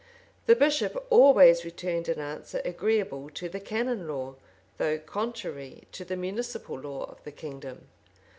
The bishop always returned an answer agreeable to the canon law, though contrary to the municipal law of the kingdom.